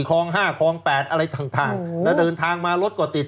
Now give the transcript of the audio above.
ครองห้าครองแปดอะไรทั้งทางแล้วเดินทางมารถก็ติด